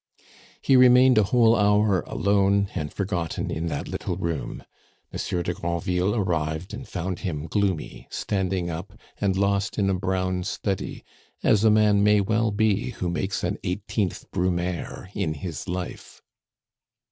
He remained a whole hour alone and forgotten in that little room. Monsieur de Granville arrived and found him gloomy, standing up, and lost in a brown study, as a man may well be who makes an 18th Brumaire in his life.